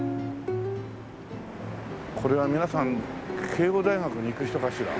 これは皆さん慶應大学に行く人かしら？